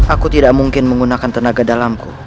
aku tidak mungkin menggunakan tenaga dalamku